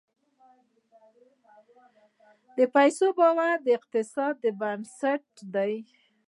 د پیسو باور د اقتصاد بنسټ دی.